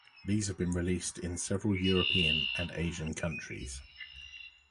These have been released in several European and Asian countries.